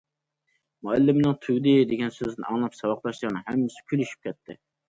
مۇئەللىمنىڭ‹‹ تۈگىدى›› دېگەن سۆزىنى ئاڭلاپ ساۋاقداشلارنىڭ ھەممىسى كۈلۈشۈپ كەتتى.